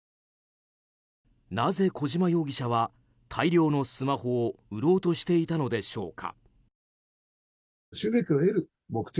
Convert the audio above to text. なぜ小島容疑者は大量のスマホを売ろうとしていたのでしょうか。